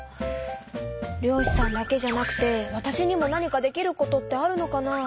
漁しさんだけじゃなくてわたしにも何かできることってあるのかな？